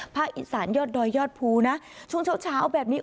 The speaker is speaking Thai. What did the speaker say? อิสานยอดดอยยอดภูนะช่วงเช้าแบบนี้